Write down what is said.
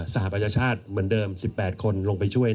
สหประชาชาติเหมือนเดิม๑๘คนลงไปช่วย